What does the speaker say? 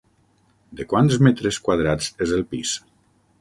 De quants metres quadrats és el pis?